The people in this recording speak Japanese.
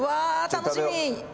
楽しみ。